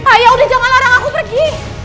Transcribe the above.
ayo udah jangan larang aku pergi